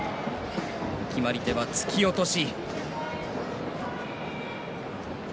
決まり手は突き落とし。